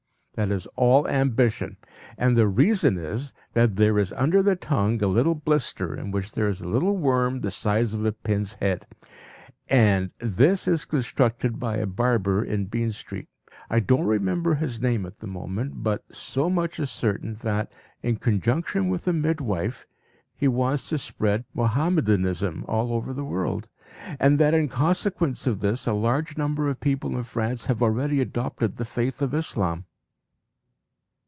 That is all ambition, and the reason is that there is under the tongue a little blister in which there is a little worm of the size of a pin's head. And this is constructed by a barber in Bean Street; I don't remember his name at the moment, but so much is certain that, in conjunction with a midwife, he wants to spread Mohammedanism all over the world, and that in consequence of this a large number of people in France have already adopted the faith of Islam.